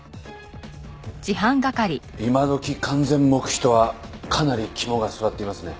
今どき完全黙秘とはかなり肝が据わっていますね。